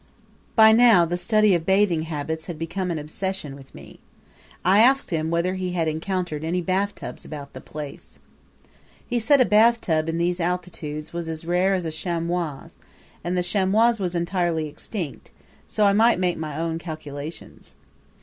By now the study of bathing habits had become an obsession with me; I asked him whether he had encountered any bathtubs about the place. He said a bathtub in those altitudes was as rare as a chamois, and the chamois was entirely extinct; so I might make my own calculations.